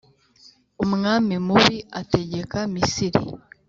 umwami mubi ategeka misiri